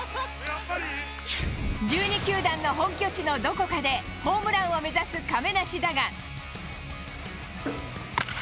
１２球団の本拠地のどこかで、ホームランを目指す亀梨だが。